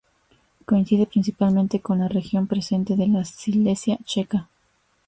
Coincide principalmente con la región presente de la Silesia checa.